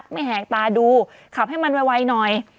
แหกตาดูขับให้มันไวหน่อย